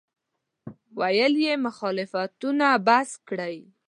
ویې ویل: مخالفتونه بس کړئ.